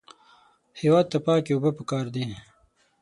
هېواد ته پاکې اوبه پکار دي